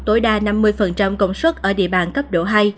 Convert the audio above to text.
tối đa năm mươi công suất ở địa bàn cấp độ hai